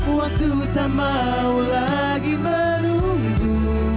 waktu tak mau lagi menunggu